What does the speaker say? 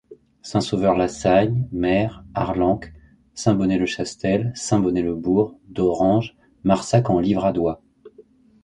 Saint-Sauveur-la-Sagne - Mayres - Arlanc - Saint-Bonnet-le-Chastel - Saint-Bonnet-le-Bourg - Doranges - Marsac-en-Livradois.